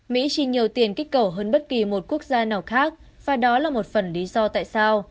mỹ chi nhiều tiền kích cầu hơn bất kỳ một quốc gia nào khác và đó là một phần lý do tại sao